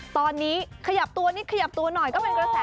ตอนนี้ขยับตัวนิดขยับตัวหน่อยก็เป็นกระแส